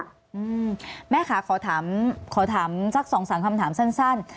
อืมแม่คะขอถามสัก๒๓คำถามสั้น